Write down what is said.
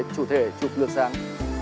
chụp ngược sáng